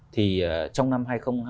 thì trong năm hai nghìn hai mươi ba